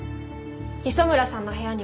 磯村さんの部屋には？